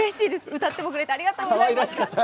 歌ってもくれてありがとうございます。